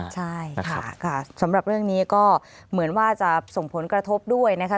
ใช่ค่ะสำหรับเรื่องนี้ก็เหมือนว่าจะส่งผลกระทบด้วยนะคะ